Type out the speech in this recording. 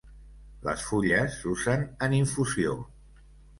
Les fulles s'usen en infusió.